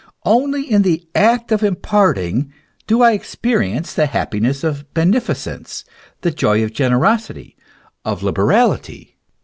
Only in the act of imparting do I experience the happiness of bene ficence, the joy of generosity, of liberality.